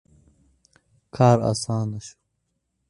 • کار آسانه شو.